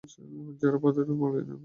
জেরার পার্দিও এবং মলিয়ের পরস্পরের বন্ধু।